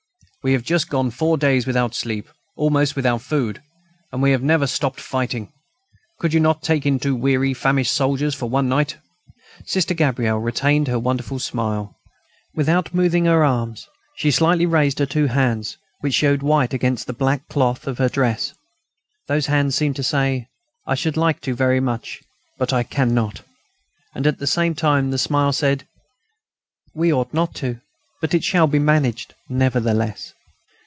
We have just gone four days without sleep, almost without food, and we have never stopped fighting. Could you not take in two weary, famished soldiers for one night?" Sister Gabrielle retained her wonderful smile. Without moving her arms, she slightly raised her two hands, which showed white against the black cloth of her dress. Those hands seemed to say: "I should like to very much, but I cannot." And at the same time the smile said: "We ought not to, but it shall be managed nevertheless."